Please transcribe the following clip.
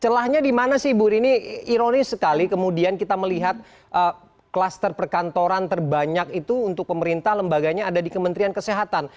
celahnya di mana sih bu rini ironis sekali kemudian kita melihat kluster perkantoran terbanyak itu untuk pemerintah lembaganya ada di kementerian kesehatan